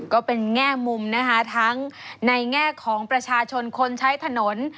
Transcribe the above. แง่มุมนะคะทั้งในแง่ของประชาชนคนใช้ถนน